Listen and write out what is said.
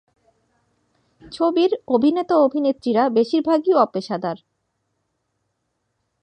ছবির অভিনেতা-অভিনেত্রীরা বেশিরভাগই অপেশাদার।